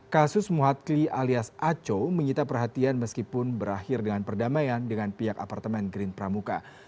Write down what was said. kasus muhadri alias aco menyita perhatian meskipun berakhir dengan perdamaian dengan pihak apartemen green pramuka